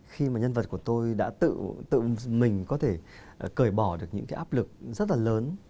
khi mà nhân vật của tôi đã tự mình có thể cởi bỏ được những cái áp lực rất là lớn